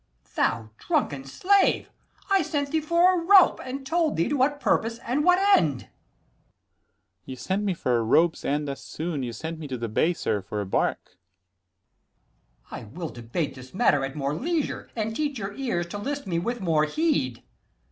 _ Thou drunken slave, I sent thee for a rope, And told thee to what purpose and what end. Dro. S. You sent me for a rope's end as soon: You sent me to the bay, sir, for a bark. Ant. E. I will debate this matter at more leisure, 100 And teach your ears to list me with more heed.